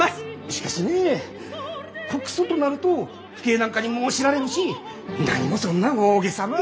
しかしね告訴となると父兄なんかにも知られるし何もそんな大げさな。